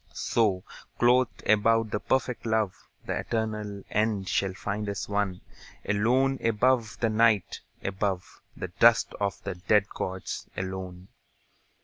So, clothed about with perfect love, The eternal end shall find us one, Alone above the Night, above The dust of the dead gods, alone.